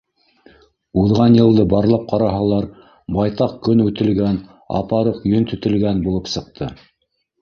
Уҙған йылды барлап ҡараһалар, байтаҡ көн үтелгән, апаруҡ йөн тетелгән булып сыҡты.